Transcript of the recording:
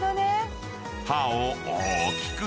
［刃を大きく］